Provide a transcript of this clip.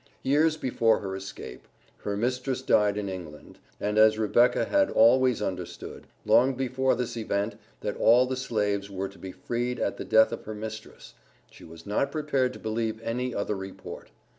Years before her escape, her mistress died in England; and as Rebecca had always understood, long before this event, that all the slaves were to be freed at the death of her mistress, she was not prepared to believe any other report.